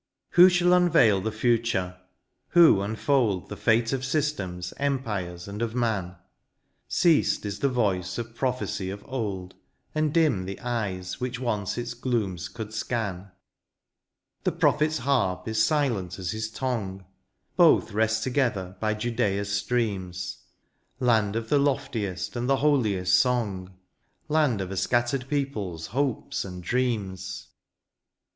Who shall unveil the future — ^who unfold The fate of systems^ empires^ and of man ? Ceased is the voice of prophecy of old^ And dim the eyes which once its glooms could scan: The prophet's harp is silent as his tongue^ — Both rest together by Judea^s streams ; Land of the loftiest and the holiest song^ Land of a scattered people's hopes and dreams